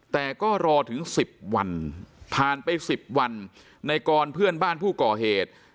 แต่ก็รอถึง๑๐วันผ่านไป๑๐วันในกรเพื่อนบ้านผู้ก่อเหตุ